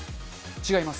違います。